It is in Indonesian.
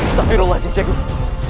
astagfirullahaladzim syekh guru